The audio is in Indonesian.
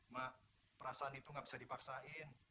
mak perasaan itu gak bisa dipaksain